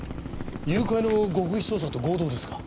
誘拐の極秘捜査と合同ですか？